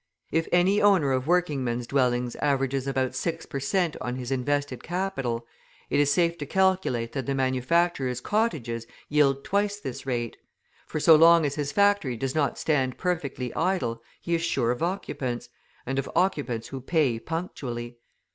If any owner of working men's dwellings averages about six per cent. on his invested capital, it is safe to calculate that the manufacturer's cottages yield twice this rate; for so long as his factory does not stand perfectly idle he is sure of occupants, and of occupants who pay punctually.